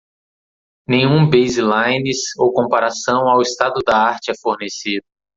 Nenhum baselines ou comparação ao estado da arte é fornecido.